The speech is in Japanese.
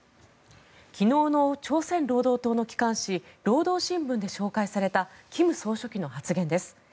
昨日の朝鮮労働党の機関紙労働新聞で紹介された金総書記の発言です。